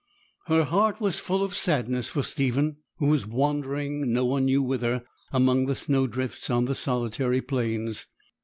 Her heart was full of sadness for Stephen, who was wandering, no one knew whither, among the snowdrifts on the solitary plains.